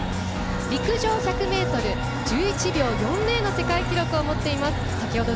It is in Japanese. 陸上１００ｍ、１１秒４０の世界記録を持っています。